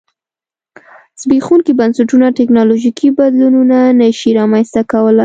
زبېښونکي بنسټونه ټکنالوژیکي بدلونونه نه شي رامنځته کولای.